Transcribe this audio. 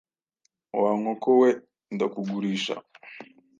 Wa nkoko we ndakugurisha.